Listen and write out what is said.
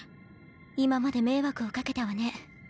今まで迷惑をかけたわね。